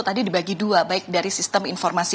tadi dibagi dua baik dari sistem informasi